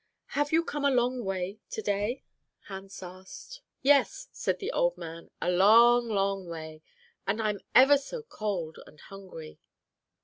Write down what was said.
"'Have you come a long way to day?' Hans said. "'Yes,' said the old man, 'a long, long way. And I'm ever so cold and hungry.'